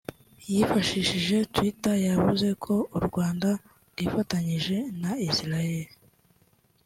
yifashishije Twitter yavuze ko u Rwanda rwifatanyije na Israel